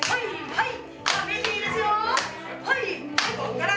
はい！